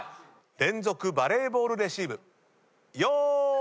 連続バレーボールレシーブよーい。